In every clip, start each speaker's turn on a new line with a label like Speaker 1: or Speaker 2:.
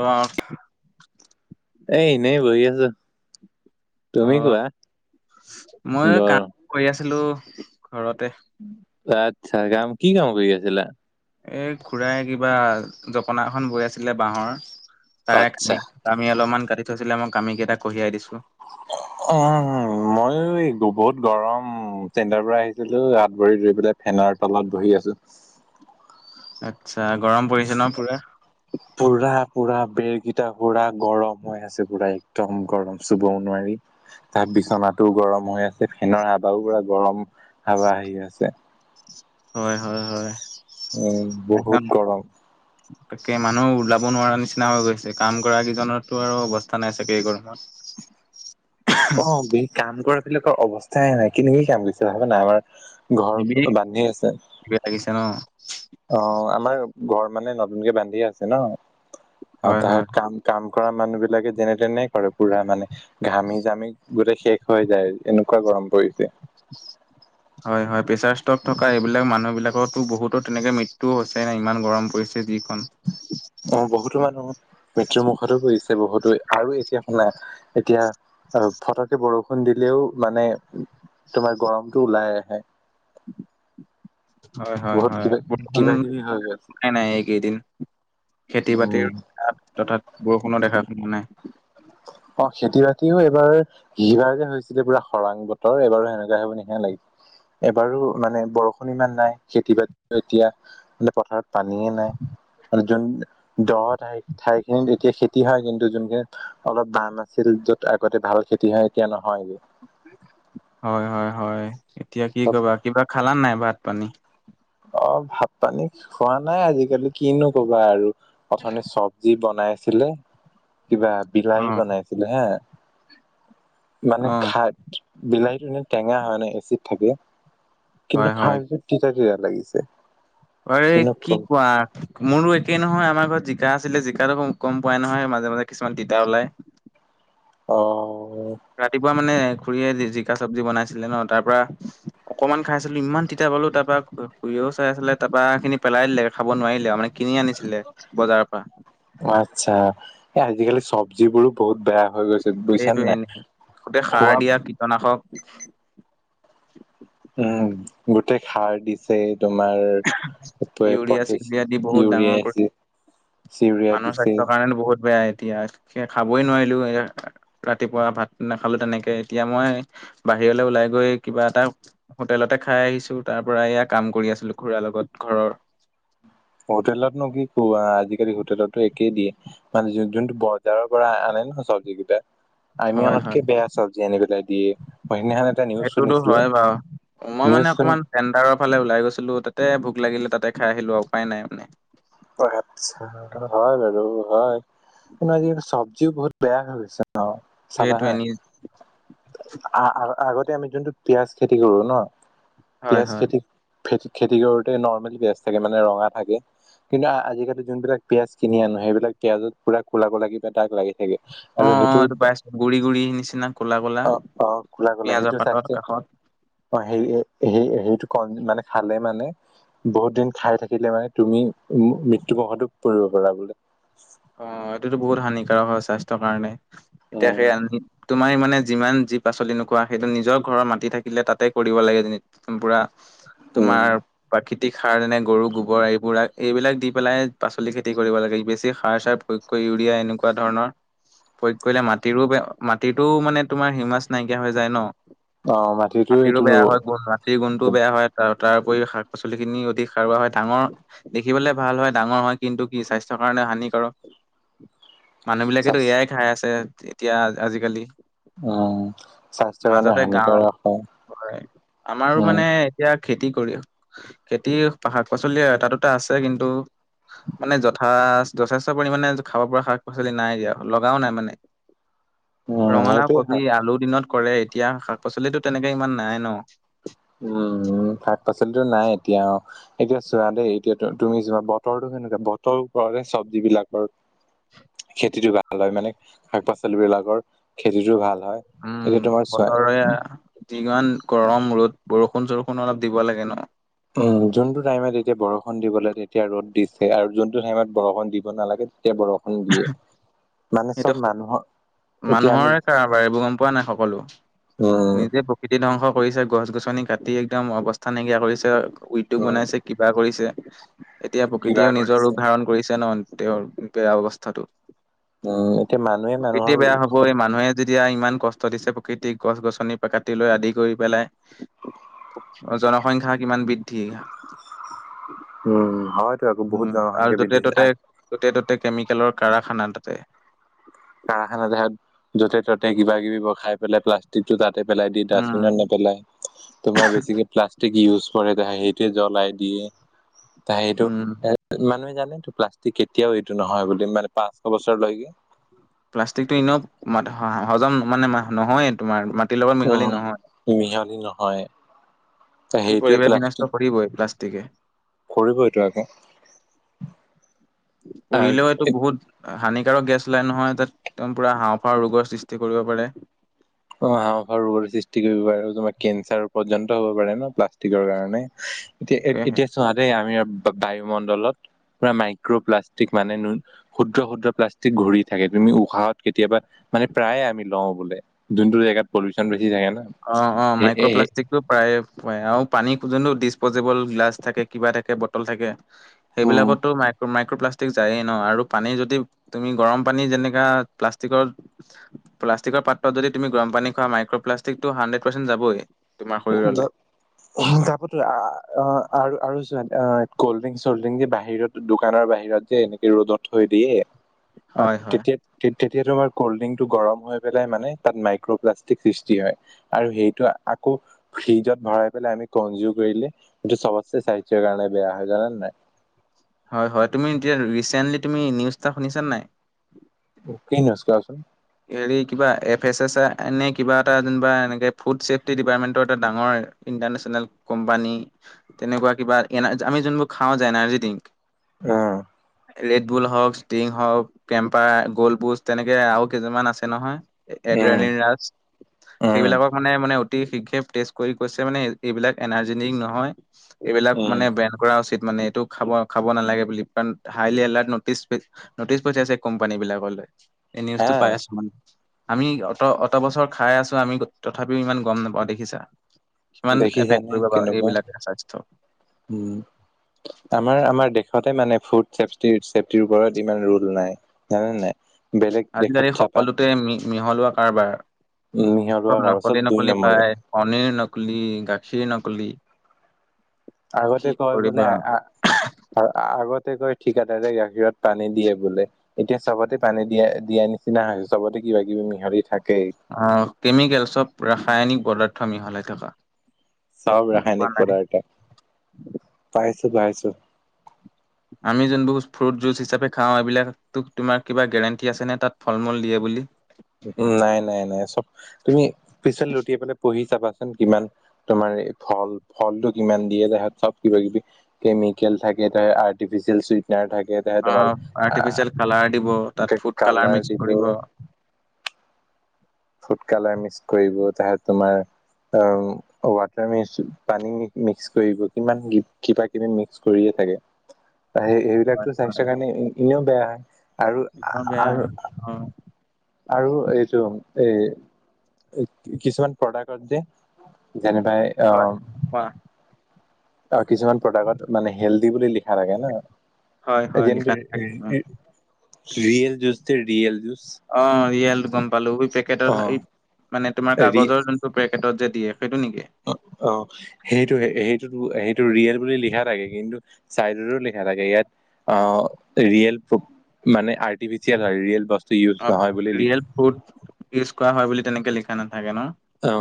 Speaker 1: অৱাক
Speaker 2: এ এনেই বহি আছো।
Speaker 1: অ
Speaker 2: তুমি কোৱা
Speaker 1: মই কাম
Speaker 2: গৰম
Speaker 1: কৰি আছিলোঁ। ঘৰতে
Speaker 2: আচ্ছা কাম কি কাম কৰি আছিলা?
Speaker 1: এই খুৰাই কিবা জপনা এখন বৈ আছিলে বাঁহৰ। তাৰে
Speaker 2: আচ্ছা
Speaker 1: কামি কামি অলপমান কাটি থৈছিলে মই কামি কেইটা কঢ়িয়াই দিছোঁ।
Speaker 2: উ মইও এই বহুত গৰম চেণ্ডাৰ পৰা আহিছিলো হাত ভৰি ধুৰি পেলাই ফে- ফেনৰ তলত বহি আছোঁ।
Speaker 1: আচ্ছা গৰম পৰিছে ন পুৰা।
Speaker 2: পুৰা পুৰা বেৰকেইটা পুৰা গৰম হৈ আছে পুৰা একদম গৰম চুবও নোৱাৰি। তাৰ বিচনাটোও গৰম হৈ আছে ফেনৰ হাবাও পৰা গৰম হাবা আহি আছে।
Speaker 1: হয় হয় হয়।
Speaker 2: উম
Speaker 1: একদম।
Speaker 2: বহুত গৰম।
Speaker 1: তাকে মানুহ ওলাব নোৱাৰা নিচিনা হৈ গৈছে কাম কৰাৰাকেইজনতো আৰু অৱস্থা নাই চাগে এই গৰমত। [inaudible]
Speaker 2: অ বে কাম কৰা বিলাকৰ অৱস্থাই নাই কেনে কে কাম কৰিছে ভাবা না এবাৰ। ঘৰ বান্ধি আছে
Speaker 1: লাগিছে ন
Speaker 2: অ আমাৰ ঘৰ মানে নতুনকে বান্ধিে আছে ন,
Speaker 1: হয় হয়
Speaker 2: তাহেত কাম কাম কৰা মানুহ বিলাকে যেনে তেনে কৰে পুৰা মানে ঘামি জামি গোটেই শেষ হৈ যায় এনেকুৱা গৰম পৰিছে।
Speaker 1: [inaudible] হয় হয় প্ৰেচাৰ ষ্টক থকা এইবিলাক মানুহ বিলাকতো বহুতো তেনেকে মৃত্যু হৈছে এনে ইমান গৰম পৰিছে। যিখন
Speaker 2: অ বহুতো মানুহ মৃত্যুৰ মুখতো পৰিছে বহুত। ত আৰু এতিয়া শুনা এতিয়া আহ ফতকে বৰষুণ দিলেও মানে তোমাৰ গৰমতটো ওলাই আহে।
Speaker 1: হয় হয়
Speaker 2: বহুত
Speaker 1: হয়
Speaker 2: কিবা
Speaker 1: বৰষুণ।
Speaker 2: কিবা কিবি হৈ গল
Speaker 1: নাই নাই এইকেইদিন খেতি
Speaker 2: উম
Speaker 1: বাতিৰ তথাৎ বৰষুণৰ দেখা মানে।
Speaker 2: অ খেতি বাতিও এইবাৰ, সিবাৰ যে হৈছিলে পুৰা খৰাং বতৰ এইবাৰো সেনেকুৱাই হ'ব নিচিনা লাইক এবাৰো মানে বৰষুণ ইমান নাই খেতি বাতি এতিয়া পথাৰত পানীয়ে নাই। যোন দহ ঠাই ঠাইখিনিত এতিয়া খেতি হায় কিন্তু যোনখিনিত অলপ দাম আছিল য'ত আগতে ভাল খেতি হয় এতিয়া নহয়।
Speaker 1: হয় হয় হয় এতিয়া কি কবা কিবা খালা নাই ভাত পানী?
Speaker 2: অ ভাত পানী খোৱা নাই আজিকালি কিনো কবা আৰু। অথনি চবজি বনাইছিলে কিবা
Speaker 1: অ
Speaker 2: বিলাহী বনাইছিলে হে
Speaker 1: অ
Speaker 2: মানে ক্ষাত বিলাহীতো এনে টেঙা হয় নাই। এচিড থাকে কিন্তু
Speaker 1: হয়
Speaker 2: খাও যে তিতা তিতা লাগিছে।
Speaker 1: আৰে
Speaker 2: কিনো
Speaker 1: কি
Speaker 2: কম
Speaker 1: কোৱা মোৰো একে নহয়। আমাৰ ঘৰত জিকা আছিলে জিকাটো গম পোৱাই নহয় মাজে মাজে কিছুমান তিতা ওলায়।
Speaker 2: অ।
Speaker 1: ৰাতিপুৱা মানে খুৰীয়ে জিকা চবজি বনাইছিলে ন তাৰ পৰা অকনমান খাইছিলো ইমান তিতা পালো তাৰপৰা খুৰিও চাই আছিলে তাপা সেইখিনি পেলাই দিলে খাব নোৱাৰিলে আও। মানে কি কিনি আনিছিলে বজাৰ পৰা।
Speaker 2: আত্চ্ছা এই আজিকালি চবজিবোৰো বহুত বেয়া হৈ গৈছ-
Speaker 1: সেইটোৱে এনে গোটেই সাৰ দিয়া কীটনাশক
Speaker 2: উম গোটেই সাৰ দিছে। তোমাৰ
Speaker 1: ইউৰিয়া
Speaker 2: প্ৰটেছ
Speaker 1: চিউৰিয়া দি বহুত
Speaker 2: ইউৰিয়া
Speaker 1: ডাঙৰ কৰে।
Speaker 2: হেচি
Speaker 1: মানুহৰ স্বাস্থ্যৰ কাৰণে বহুত বেয়া। এতিয়া খে খাবই নোৱাৰিলো ৰাতিপুৱা ভাত নাখালো তেনেকে এতিয়া মই বাহ- বাহিৰলৈ ওলাই গৈ কিবা এটা হোটেলতে খাই আহিছো তাৰ পৰা এয়া কাম কৰি আছিলোঁ। খুৰাৰ লগত ঘৰৰ
Speaker 2: কে দিয়ে মানে যোনটো বজাৰৰ পৰা আনে ন চবজি কেইতা। আমি
Speaker 1: হয় হয়
Speaker 2: অনাতকে বেয়া চবজি আনে পেলাই দিয়ে মই সেইদিনাখন এটা নিউজ
Speaker 1: সেইটোতো
Speaker 2: শুনিছিলো।
Speaker 1: হয় বাৰু মই
Speaker 2: নিউজ
Speaker 1: মানে
Speaker 2: শুনি
Speaker 1: অকণমান টেণ্ডাৰৰ ফালে ওলাই গৈছিলো ত তাতে ভোক লাগিলে, তাতে খাই আহিলোঁ আৰু, ‌ উপায় নাই মানে।
Speaker 2: অ' হাচ্ছা! হয় বাৰু হয়, উম আজিকালি চব্জিও বহুত বেয়া হৈ গৈছে। অঁ চাবা
Speaker 1: সেইটোৱে
Speaker 2: হা।
Speaker 1: নি
Speaker 2: আ! আ! আগতে আমি যোনটো পিয়াজ খেতি কৰোঁ ন,
Speaker 1: হয়
Speaker 2: পিয়াজ
Speaker 1: হয়
Speaker 2: খেতি। খেতি, খেতি কৰোতে নৰ্মেলি বেজ থাকে মানে ৰঙা থাকে। কিন্তু আজিকালি যোনবিলাক পিয়াঁজ কিনি আনে, সেইবিলাক পিয়াজত পুৰা কোলা- কোলা কিবা দাগ লাগি থাকে। আৰু
Speaker 1: অ'
Speaker 2: সেইটো
Speaker 1: অ' এইটো পাই আছোঁ গুৰি গুৰি নিচিনা ক'লা- ক'লা।
Speaker 2: কোলা কোলা
Speaker 1: পিয়াজৰ
Speaker 2: সেইটো
Speaker 1: পাতৰ
Speaker 2: চাইছে?
Speaker 1: কাষত
Speaker 2: অ' হেৰি হে‌ হেৰিটো কন মানে, খালে মানে বহুত দিন খাই থাকিলে মানে তুমি ম, মৃত্যুৰ মুখতো পৰিব পাৰা বোলে।
Speaker 1: অ' এইটোতো বহুত হানিকাৰক হয় স্বাস্থ্যৰ কাৰণে, এতিয়া
Speaker 2: উম
Speaker 1: সেই তোমাৰ মানে মানে যিমান যি পাচলি নোখোৱা সেইটো নিজৰ ঘৰৰ মাটি থাকিলে তাতে কৰিব লাগে, ‌ পুৰা
Speaker 2: উম
Speaker 1: তোমাৰ, প্ৰাকৃ কি সাৰ এনে গৰু গোবৰ এইবোৰাক এইবিলাক দি পেলাই পাচলি খেতি কৰিব লাগে বেছি সাৰ চাৰ প্ৰয়োগ কৰি ইউৰিয়া এনেকুৱা ধৰণৰ প্ৰয়োগ কৰিলে মাটিৰো, ব মাটিতটোও মানে তোমাৰ হিউমাছ নাইকিয়া হৈ যায় ন।
Speaker 2: অ মাটিতো
Speaker 1: মটিৰো
Speaker 2: এইটো
Speaker 1: বেয়া হয়,
Speaker 2: উম
Speaker 1: গুণ মাটিৰ গুণটোও বেয়া হয়, তাৰ তাৰ উপৰি শাক পাচলি খিনি অধিক সাৰুৱা হয়, ডাঙৰ, দেখিবলৈ ভাল হয় ডাঙৰ হয়, কিন্তু ই স্বাস্থ্যৰ কাৰণে হানি আৰু, মানুহ বিলাকেতো এয়াই খাই আছে, এতিয়া আজিকালি।
Speaker 2: স্বাস্থ্যৰ কাৰণে
Speaker 1: মাজতে গাওঁ,
Speaker 2: হানিকাৰক
Speaker 1: হয় আমাৰোঁ
Speaker 2: উম
Speaker 1: মানে এতিয়া খেতি কৰি, খেতিৰ শাক পাচলি এটা দুটা আছে কিন্তু। মানে যথা, যথেষ্ট পৰিমানে খাব পৰা শাক পাচলি নাই দিয়া, লগাও নাই মানে।
Speaker 2: উম
Speaker 1: ৰঙালাও,
Speaker 2: সেইটোৱে হয়
Speaker 1: কবি, আলুৰ দিনত কৰে, এতিয়া শাক পাচলিতো তেনেকে ইমান নাইয়ে ন।
Speaker 2: উম, উম, শাক পাচলিটো নাই এতিয়া, এতিয়া চোৱা দেই এতিয়া তুমি চোৱা বতৰটো সেনেকুৱা, বতৰ ওপৰতে চবজি বিলাকৰ খেতিটো ভাল হয় মানে, শাক পাচলি বিলাকৰ খেতিটো ভাল। হয়। এতিয়া
Speaker 1: উম
Speaker 2: তোমাৰ চোৱা
Speaker 1: বতৰে, কিমান গৰম ৰ'দ বৰষুণ চৰষুণ অলপ দিব লাগে ন।
Speaker 2: উম, যোনটো টাইমত এতিয়া বৰষুণ দিবলৈ তেতিয়া ৰ'দ দিছে আৰু যোনটো টাইমত বৰষুণ দিব নালাগে তেতিয়া বৰষুণ দিয়ে। মানে
Speaker 1: সেইটো
Speaker 2: চব মানুহৰ এতিয়া আমি
Speaker 1: মানুহৰে কাৰোবাৰ এইবোৰ গম পোৱা নাই সকলো,
Speaker 2: উম,
Speaker 1: নিজে প্ৰকৃতি ধ্বংস কৰিছে, গছ গছনি কাটি একদম অৱস্থা নাইকিয়া কৰিছে, উদ্যোগ
Speaker 2: উম,
Speaker 1: বনাইছে, কিবা কৰিছে। এতিয়া
Speaker 2: কিবা
Speaker 1: প্ৰকৃতিয়ও নিজৰ
Speaker 2: কৰিছে
Speaker 1: ৰূপ ধাৰণ কৰিছে নহয়, তেওঁৰ বেয়া অৱস্থাটো।
Speaker 2: উম, এতিয়া মানুহে মানুহৰ
Speaker 1: প্ৰকৃতি বেয়া হ'ব এই মানুহে যেতিয়া ইমান কষ্ট দিছে প্ৰকৃতিক গছ গছনি কাটি লৈ আদি কৰি পেলাই। জনসংখ্যা কিমান বৃদ্ধি?
Speaker 2: উম হয়।
Speaker 1: উম আৰু য'তে-ত'তে, য'তে-ত'তে কেমিকেলৰ কাৰাখানা তাতে।
Speaker 2: কাৰখানাতে হক, য'তে ত'তে কিবা কিবি বোৰ খাই পেলাই প্লাষ্টিক টো তাত য'তে ত'তে পেলাই দিয়ে, দাষ্টবিনত
Speaker 1: উম
Speaker 2: নেপেলায়। তোমাৰ বেছিকে প্লাষ্টিক ইউচ কৰণ সেইটোৱে জ্বলাই দিয়ে ত
Speaker 1: উম
Speaker 2: সেইটো মানুহে জন প্লাষ্টিক কেতিয়াও এইটো নহয় বুলি মানে পাঁচশ বছৰলৈকে
Speaker 1: প্লাষ্টিকটো এনেও হজম মানে, নহয়ে তোমাৰ। মাটিৰ লগত
Speaker 2: উম
Speaker 1: মিহলি নহয়
Speaker 2: মিহলি নহয়। ত
Speaker 1: কি
Speaker 2: সেইটোৱে
Speaker 1: পৰিৱেশ বিনষ্ট
Speaker 2: প্লাষ্টিক
Speaker 1: কৰিবই প্লাষ্টিকে।
Speaker 2: কৰিবইটো আকৌ আৰু
Speaker 1: কৰিলেও এইটো বহুত হানিকাৰক গেছ উলাই নহয় তাত, তেওঁ পোৰা হাঁওঁফাঁওৰ ৰোগৰ সৃষ্টি কৰিব পাৰে।
Speaker 2: অ' হাঁওফাঁওৰ ৰোগৰ সৃষ্টি কৰিব পাৰে, তোমাৰ কেঞ্চাৰ পৰ্যন্ত হ'ব পাৰে, ন প্লাষ্টিকৰ কাৰণে। এতিয়া, ইয়াত, এতিয়া চোৱা দেই আমি বায়ুমণ্ডলত পুৰা মাইক্ৰ' প্লাষ্টিক মানে, ক্ষুদ্ৰ ক্ষুদ্ৰ প্লাষ্টিক ঘূৰি থাকে তুমি, উশাহত কেতিয়াবা মানে প্ৰায়ে আমি লওঁ বোলে যোনতটো জেগাত পলিচন
Speaker 1: অ অ মাইক্ৰপ্লাষ্টিকটো প্ৰায় আও পানী পৰ্যন্ত ডিছ প'জেবল গ্লাছ থাকে কিবা থাকে বটল থাকে।
Speaker 2: উম।
Speaker 1: সেইবিলাকতো মাই মাইক্ৰপ্লাষ্টিক থিক যাই ন আৰু পানী যদি তুমি গৰম পানী যেনেকা প্লাষ্টিকত প্লাষ্টিকত। পাত্ৰত যদি তুমি গৰম পানী খোৱা মাইক্ৰপ্লাষ্টিকটো হণ্ড্ৰেড পাৰ্চেন্ত যাবই। তোমাৰ
Speaker 2: দ
Speaker 1: শৰীৰলৈ
Speaker 2: হিংসা পথো আৰু আৰু যোৱান অ ক'ল্ড ড্ৰিংক, চল্ড ড্ৰিংক যে বাহিৰত দোকানৰ বাহিৰত যে এনেকে ৰ'দত থৈ দিয়ে- অ
Speaker 1: হয় হয়
Speaker 2: তেতিয়াত তেত- তেতিয়া তোমাৰ কল্ড ড্ৰিংক টো গৰম হৈ পেলাই মানে তাত মাইক্ৰ'প্লাষ্টিক সৃষ্টি হয় আৰু সেইটো আ- ফ্ৰিজত ভৰাই পেলাই আমি কনজিউম কৰিলে এইটো চবছে স্বাস্থৰ কাৰণে বেয়া হয় জানে নাই?
Speaker 1: হয় হয় তুমি এতিয়া ৰিচেন্টলি তুমি নিউজ এটা শুনিছানে নাই?
Speaker 2: কি নিউচ কোৱাচোন?
Speaker 1: হেৰি কিবা এফ এছ এছ এনে কিবা এটা যেনিবা এনেকে ফুড চছেফটি ডিপাৰ্টমেন্টৰ এটা ডাঙৰ ইন্টাৰেছনেল কোম্পানী তেনেকোৱা কিবা আমি যিবোৰ খাওঁ যে, এনাৰ্জ ড্ৰিং-
Speaker 2: উম।
Speaker 1: ৰেডবুল হওক, ষ্টিং হওক, কেম্পাৰ, গলপুষ্ট তেনেকে আৰু কেইমান আছে নহয়।
Speaker 2: উম
Speaker 1: এডৰালিন ৰাজ
Speaker 2: উম
Speaker 1: সেইবিলাকক মানে মানে- তি শীঘ্ৰে টেষ্ট কৰি কৈছে মানে এইবিলাক এনাৰ্জী ড্ৰিং নহয় এইবিলাক
Speaker 2: উম
Speaker 1: মানে বেন কৰা উচিত। মানে এইটো খাব খাব নালাগে বুলি কাৰণ হাইলি এলাৰ্ট নটিচ নটিচ পঠিয়াইছে কোম্পানী বিলাকলৈ। এই
Speaker 2: হা
Speaker 1: নিউজটো পাই আছো মানে। আমি অত অত বছৰ খাই আছো আমি তথাপিও ইমান গম নাপাওঁ দেখিছা। কিমান এফেক্ট
Speaker 2: দেখিছানে
Speaker 1: কৰিব বাৰু
Speaker 2: কেনেকুৱা
Speaker 1: এইবিলাকে স্বাস্থ্যৰ
Speaker 2: উম আমাৰ আমাৰ দেশতে মানে ফুড চেফটিৰ চেফটিৰ ওপৰত ইমান ৰোল নাই জানা নাই? বেলেগ
Speaker 1: আজিকালি
Speaker 2: দেশত চাবা
Speaker 1: সকলোতে মিহলোৱা কাৰবাৰ।
Speaker 2: উম
Speaker 1: চব
Speaker 2: সিহঁতৰ আৰু চব
Speaker 1: নকলি
Speaker 2: দুই
Speaker 1: নকলি
Speaker 2: নম্বৰে
Speaker 1: পায় পনীৰ নকলি, গাখীৰ নকলি কি
Speaker 2: আগতে কয় বোলে
Speaker 1: কৰিবা
Speaker 2: আগত ততে কৈ ঠিকদাই গাখীৰত পানী দিয়ে বোলে এতিয়া চবতে পানী দিয়া দিয়া নিচিনা হৈ চবতে- কিবা কিবি মিহলি থাক-
Speaker 1: আহ কেমিকেল চব ৰাসায়নিক পদাৰ্থ মিহলাই থকা-
Speaker 2: চব
Speaker 1: গম পোৱা
Speaker 2: ৰাসায়নিক
Speaker 1: নাই
Speaker 2: পদাৰ্থ পাইছো পাইছো।
Speaker 1: আমি যোনবোৰ ফ্ৰুট জুচ হিচাপে খাওঁ এইবিলাক তোক তোমাৰ কিবা গেৰেণ্টি আছে নে তাত ফল মূল দিয়ে বুলি?
Speaker 2: উম নাই নাই নাই চব তুমি পিছফালে লুটিয়ে পেলাই পঢ়ি চাবা। কিমান তোমাৰ ফল ফল টো কিমান দিয়ে [unintelligible] চব কিবা কিবি কেমিকেল থাক- আৰ্টিফিচিয়েল চুইটনাৰ থাক- সেইটাহে
Speaker 1: অ
Speaker 2: তোমাৰ
Speaker 1: আৰ্টিফিচিয়েল কালাৰ দিব তাত
Speaker 2: আহ
Speaker 1: ফুড
Speaker 2: কালাৰ
Speaker 1: মিক্স কৰিব।
Speaker 2: দিব- ফুড কালাৰ মিচ কৰিব তাহত তোমাৰ অহ ৱাট- পানী মিক্স কৰিব কিমান কিবা কিবি মিক্স কৰিয়ে থাকে।
Speaker 1: হয়
Speaker 2: সেইবিলাকটো
Speaker 1: হয়
Speaker 2: স্বাস্থ্যৰ কাৰণে এনেও বেয়া হয়। আৰু
Speaker 1: এনেও বেয়া
Speaker 2: আৰু
Speaker 1: অ
Speaker 2: আ আৰু এইটো এ কিছুমান প্ৰডাক্টত যে যেনবাই
Speaker 1: হয়
Speaker 2: আহ
Speaker 1: কোৱা
Speaker 2: অ কিছুমান প্ৰডাক্টত মানে হেল্ডি বুলি লিখা থাকে ন।
Speaker 1: হয় হয় লিখা
Speaker 2: যেনেকে
Speaker 1: থাকে কিছুমান।
Speaker 2: ৰিয়েল জুচ তে ৰিয়েল জুচ
Speaker 1: অ ৰিয়েলটো গম পালোঁ।
Speaker 2: অ
Speaker 1: পেকেটত মানে তোমাৰ
Speaker 2: ৰি
Speaker 1: কাগজৰ যোনটো পেকেটত যে দিয়ে সেইটো নেকি?
Speaker 2: অ সেইটো সেইটোত সেইটো ৰিয়েল বুলি লিখা থাকে কিন্তু চাইডৰটো লিখা থাকে ইয়াত অ ৰিয়েল মানে আৰ্টিফিচিয়েল ৰিয়েল বস্ত-
Speaker 1: অ ৰিয়েল ফুড ইজ কৰা হয় বুলি তেনেকে লিখা নাথাকে ন?
Speaker 2: অ',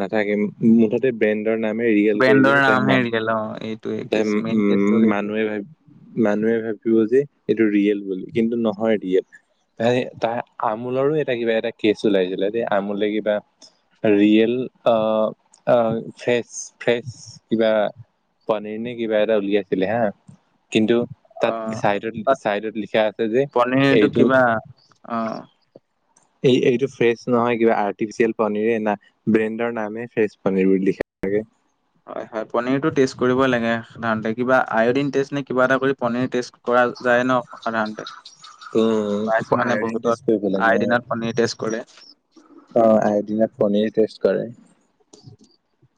Speaker 2: নাথাকে, মুঠতে ব্ৰে নামে ৰিয়েল কৰি
Speaker 1: ব্ৰেণ্ডৰ
Speaker 2: দিহে ত
Speaker 1: নামহে
Speaker 2: মান
Speaker 1: ৰিয়েল অ এইটোৱে
Speaker 2: ত
Speaker 1: কেছ মেইন
Speaker 2: উম
Speaker 1: কেছটো সেইটো
Speaker 2: মানুহে ভাব [unintelligible] মানুহে ভাবিব যে এইটো ৰিয়েল বুলি, কিন্তু নহয় ৰিয়েল। এই তাৰ আমুলৰো এটা কিবা এটা কেচ ওলাইছিলে দেই আমোলে কিবা ৰিয়েল আহ-আহ ফ্ৰেচ-ফ্ৰেচ কিবা পনীৰ নে কিবা এটা উলিয়াইছিলে হা। কিন্তু
Speaker 1: অ।
Speaker 2: তাত
Speaker 1: তাত
Speaker 2: চাইডত-ছাইডত লিখা আছে যে
Speaker 1: পনীৰটো
Speaker 2: এইটো
Speaker 1: কিবা অ'।
Speaker 2: এই এইটো ফ্ৰেচ নহয় কিবা আৰ্টিফিয়েল পনিৰে না ব্ৰেণ্ডৰ নামে ফ্ৰেচ পনীৰ বুলি লিখাথাকে।
Speaker 1: হয়-হয় পনিৰটো টেষ্ট কৰিব লাগে সাধাৰণতে। কিবা আইঅডিন টেষ্ট নে কিবা এটা কৰি পনিৰ টেষ্ট তৰা যায় ন সাধাৰণতে? পাইছোঁ মানে
Speaker 2: আয়ডিন টেষ্ট
Speaker 1: বহুতত
Speaker 2: কৰিব লাগে
Speaker 1: আয়ডিনত পনীৰ টেষ্ট কৰে।
Speaker 2: অ', আয়দিনত পনিৰ টেষ্ট কৰে।
Speaker 1: [unintelligible]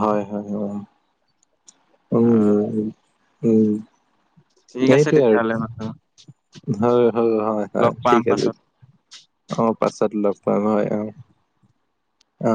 Speaker 2: হয়-হয়, উম।
Speaker 1: অ
Speaker 2: উম-উম-উম-উম।
Speaker 1: ঠিক আছে তেতিয়াহ'লে মাত্ৰ
Speaker 2: হয়-হয়-হয়-হয়, ঠিক
Speaker 1: পাছত।
Speaker 2: আছে। অ পাছত লগ পাম হয় অ'। অ